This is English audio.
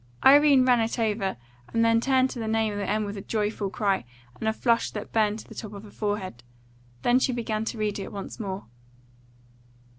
Irene ran it over, and then turned to the name at the end with a joyful cry and a flush that burned to the top of her forehead. Then she began to read it once more.